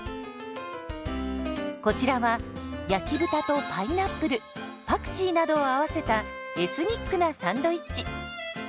こちらは焼き豚とパイナップルパクチーなどを合わせたエスニックなサンドイッチ。